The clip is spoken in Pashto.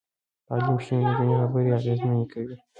تعليم شوې نجونې خبرې اغېزمنې کوي.